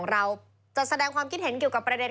อรัชพรชะลาดล